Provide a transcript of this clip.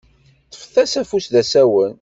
Ṭṭef-as afus d asawen.